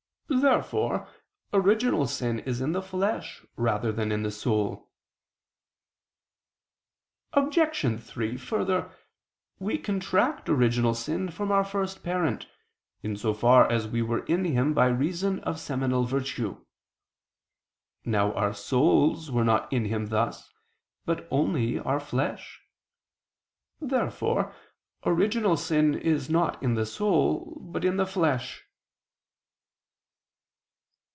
Therefore original sin is in the flesh rather than in the soul. Obj. 3: Further, we contract original sin from our first parent, in so far as we were in him by reason of seminal virtue. Now our souls were not in him thus, but only our flesh. Therefore original sin is not in the soul, but in the flesh.